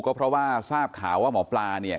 ก็เพราะว่าทราบข่าวว่าหมอปลาเนี่ย